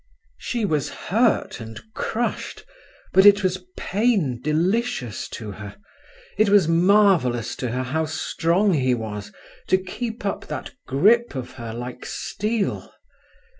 She was hurt and crushed, but it was pain delicious to her. It was marvellous to her how strong he was, to keep up that grip of her like steel.